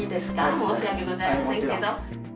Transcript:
申し訳ございませんけど。